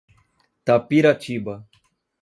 Tapiratiba